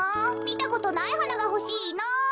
みたことないはながほしいな。